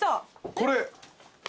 これ。